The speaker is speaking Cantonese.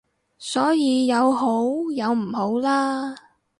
所以有好有唔好啦